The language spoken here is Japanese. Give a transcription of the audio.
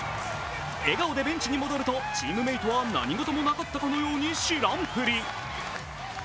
笑顔でベンチに戻るとチームメートは何事もなかったかのように知らんぷり。